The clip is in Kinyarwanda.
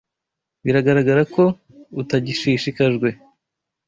Biragaragara ko utagishishikajwe.